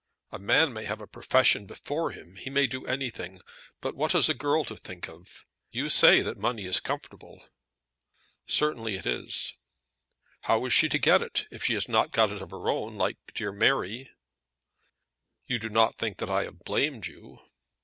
A man may have a profession before him. He may do anything. But what has a girl to think of? You say that money is comfortable." "Certainly it is." "How is she to get it, if she has not got it of her own, like dear Mary?" "You do not think that I have blamed you."